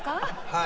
はい。